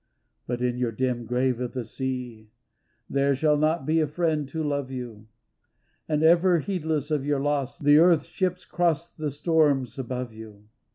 " But in your dim grave of the sea There shall not be a friend to love you. And ever heedless of your loss The earth ships cross the storms above you.